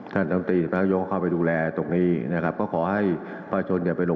ทางนี้ผมอยากว่าภารกิจการแปลวนี่